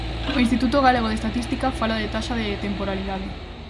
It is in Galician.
O Instituto Galego de Estatística fala de taxa de temporalidade.